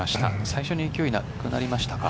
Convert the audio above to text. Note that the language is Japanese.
最初の勢い、なくなりましたか。